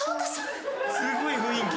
すごい雰囲気。